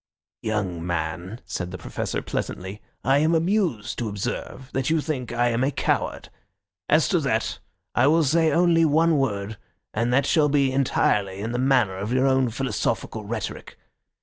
"Young man," said the Professor pleasantly, "I am amused to observe that you think I am a coward. As to that I will say only one word, and that shall be entirely in the manner of your own philosophical rhetoric.